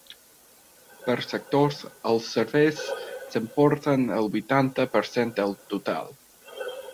Per sectors, els serveis s’emporten el vuitanta per cent del total.